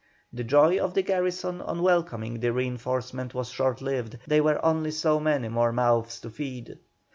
The joy of the garrison on welcoming the reinforcement was short lived, they were only so many more mouths to feed.